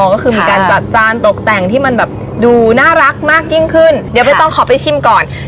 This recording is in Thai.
ก็คือมีการจัดจานตกแต่งที่มันแบบดูน่ารักมากยิ่งขึ้นเดี๋ยวใบตองขอไปชิมก่อน